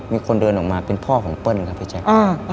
มีคนเดินออกมาเป็นพ่อของเปิ้ลครับพี่แจ๊ค